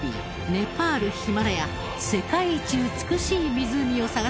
「ネパールヒマラヤ世界一美しい湖を探せ！」